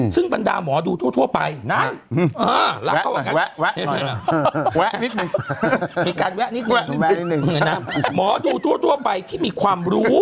ซึ่งปัญดามนุภาหมอถามดูทั่วไปน้ำ